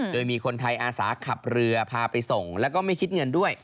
โดยมีคนไทยอาสาขับเรือพาไปส่งแล้วก็ไม่คิดเงินด้วย